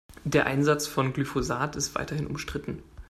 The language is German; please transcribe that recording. Der Einsatz von Glyphosat ist weiterhin umstritten.